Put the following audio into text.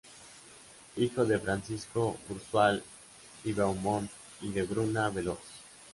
Hijo de Francisco Bruzual y Beaumont y de Bruna Veloz.